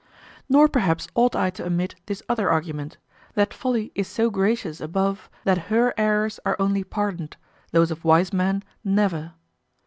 Nor perhaps ought I to omit this other argument, that Folly is so gracious above that her errors are only pardoned, those of wise men never.